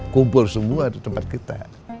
kubur semua di tempat kita